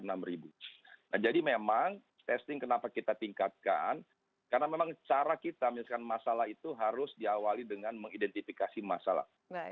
nah jadi memang testing kenapa kita tingkatkan karena memang cara kita menyelesaikan masalah itu harus diawali dengan mengidentifikasi masalah